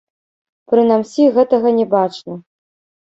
Прынамсі, гэтага не бачна.